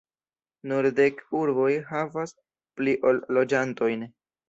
Nur dek urboj havas pli ol loĝantojn.